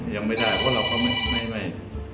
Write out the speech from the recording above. ยังไม่ได้เพราะเราก็ไม่